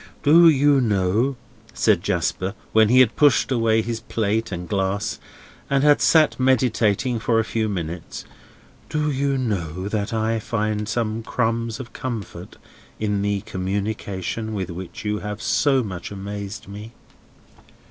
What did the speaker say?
"Do you know," said Jasper, when he had pushed away his plate and glass, and had sat meditating for a few minutes: "do you know that I find some crumbs of comfort in the communication with which you have so much amazed me?"